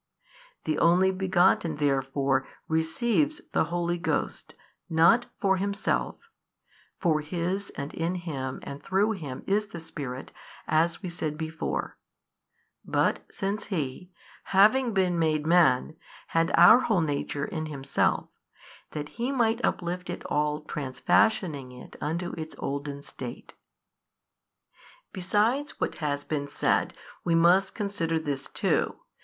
The Only Begotten therefore receives the Holy Ghost not for Himself (for His and in Him and through Him is the Spirit, as we before said) but, since He, having been made Man, had our whole nature in Himself, that He might uplift it all transfashioning it unto its olden state. Besides what has been said, we must consider this too.